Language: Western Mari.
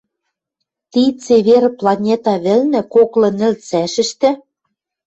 ти цевер планета вӹлнӹ коклы нӹл цӓшӹштӹ